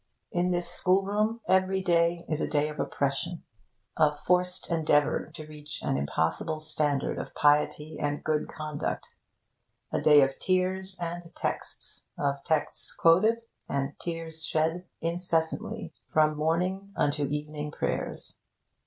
In this schoolroom, every day is a day of oppression, of forced endeavour to reach an impossible standard of piety and good conduct a day of tears and texts, of texts quoted and tears shed, incessantly, from morning unto evening prayers.